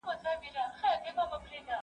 زه هره ورځ لیکل کوم؟!